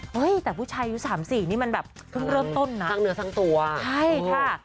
เฮ้ยแต่ผู้ชายอายุสามสี่นี่มันแบบเริ่มต้นนะทางเหนือทั้งตัวใช่ค่ะ